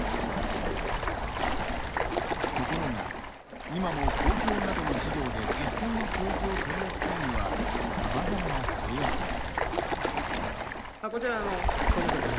ところが、今も公共などの授業で実際の政治を取り扱うにはさまざまな制約が。